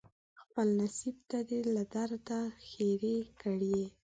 خپل نصیب ته دې له درده ښیرې کړي